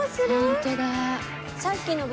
ホントだ。